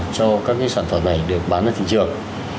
cho các sản phẩm này được bán vào thị trường